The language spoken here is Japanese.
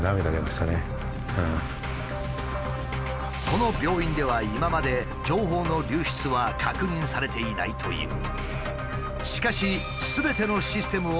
この病院では今まで情報の流出は確認されていないという。